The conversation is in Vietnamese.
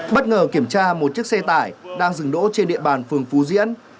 bất ngờ kiểm tra một chiếc xe tải đang dừng đỗ trên địa bàn phường phú diễn